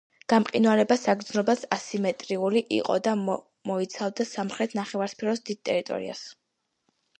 გამყინვარება საგრძნობლად ასიმეტრიული იყო და მოიცავდა სამხრეთ ნახევარსფეროს დიდ ტერიტორიას.